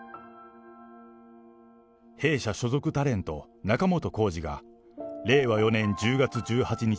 弊社所属タレント、仲本工事が、令和４年１０月１８日